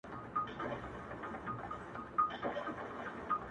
صاحب شاه صابر